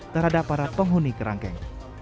terhadap para penghuni kerangkeng